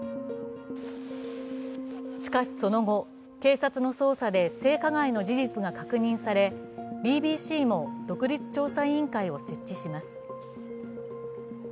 しかしその後、警察の捜査で性加害の事実が確認され、ＢＢＣも独立調査委員会を設置します。